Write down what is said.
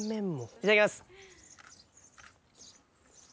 いただきます。